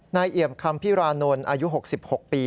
นายเอี่ยมคำพิรานนท์อายุหกสิบหกปี